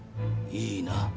いいな？